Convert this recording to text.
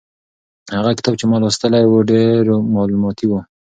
هغه کتاب چې ما لوستلی و ډېر مالوماتي و.